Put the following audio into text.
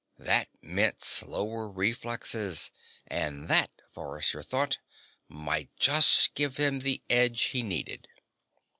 That meant slower reflexes and that, Forrester thought, might just give him the edge he needed.